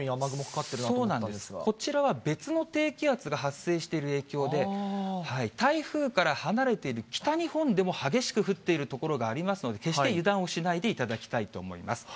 こちらは別の低気圧が発生している影響で、台風から離れている北日本でも激しく降っている所がありますので、決して油断をしないでいただきたいと思います。